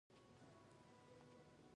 چین خصوصي شرکتونه قوي کړي.